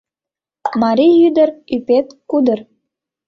Марий ӱдыр, ӱпет кудыр